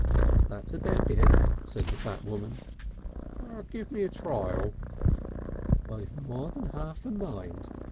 _" "That's about it," said the fat woman. "Give me a trial." "I've more than half a mind.